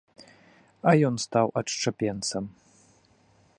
А ён стаў адшчапенцам.